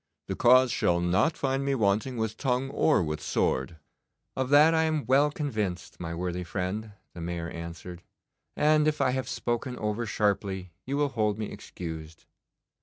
The cause shall not find me wanting with tongue or with sword.' 'Of that I am well convinced, my worthy friend,' the Mayor answered, 'and if I have spoken over sharply you will hold me excused.